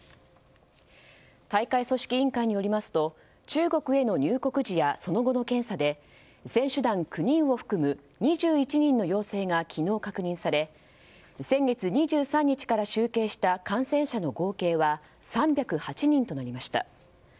大会組織委員会によりますと中国への入国時やその後の検査で選手団９人を含む２１人の陽性が昨日確認され先月２３日から集計した感染者の合計は３０８人となりました。